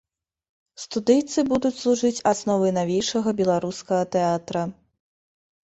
Студыйцы будуць служыць асновай навейшага беларускага тэатра.